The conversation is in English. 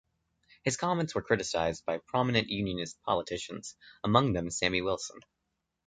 His comments were criticised by prominent Unionist politicians, among them Sammy Wilson.